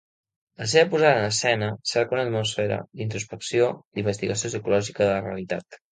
La seva posada en escena cerca una atmosfera d'introspecció, d'investigació psicològica de la realitat.